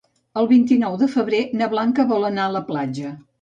El vint-i-nou de febrer na Blanca vol anar a la platja.